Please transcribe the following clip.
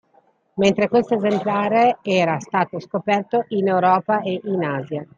Mentre questo esemplare era stato scoperto in Europa e in Asia.